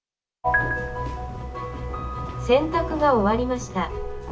洗濯が終わりました。